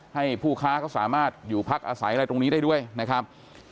ให้ผู้ค้าก็สามารถอยู่พักอาศัยอะไรตรงนี้ได้ด้วยนะครับ